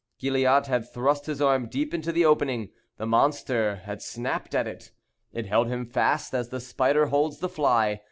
Gilliatt had thrust his arm deep into the opening; the monster had snapped at it. It held him fast, as the spider holds the fly.